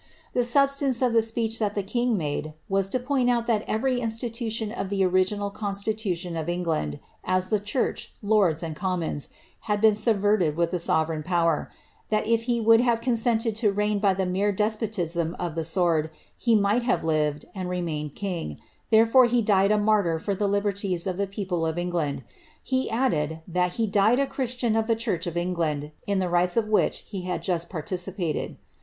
The subsuince of the speech that the king made, was to point out that every institution of the original constitution of England, as the church, lords, and commons, had been subverted with the sovereign power ; tliat, if he would have consented to reign by the mere despotism uf the sword, he might have lived, and remained king, therefore he died a martyr for the liberties of the people of England. He added, that he died a Christian of the church of Elngland, in the rites of which he bad just participated.